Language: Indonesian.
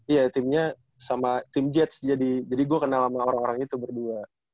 iya timnya sama tim jets jadi gue kenal sama orang orang itu berdua